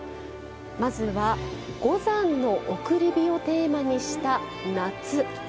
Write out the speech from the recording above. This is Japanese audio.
まずは五山の送り火をテーマにした夏。